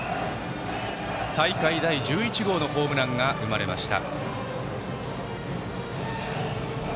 大会第１１号のホームランが生まれました。